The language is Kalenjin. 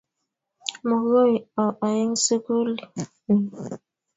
Makoy au eng' sukuli ni.